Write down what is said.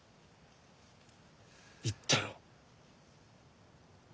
言ったろう。